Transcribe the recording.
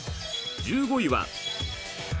１５位は。